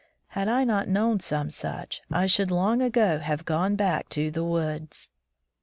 Had I not known some such, I should long ago have gone back to the woods.